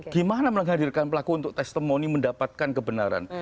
gimana menghadirkan pelaku untuk testimoni mendapatkan kebenaran